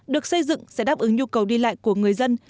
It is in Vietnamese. được xây dựng sẽ đáp ứng nhu cầu đi lại của người dân